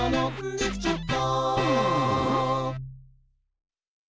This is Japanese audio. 「できちゃった！」